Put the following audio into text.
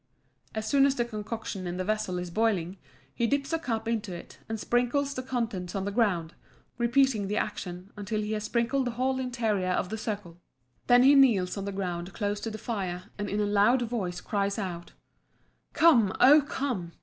As soon as the concoction in the vessel is boiling, he dips a cup into it, and sprinkles the contents on the ground, repeating the action until he has sprinkled the whole interior of the circle. Then he kneels on the ground close to the fire, and in a loud voice cries out, "Come, oh come!"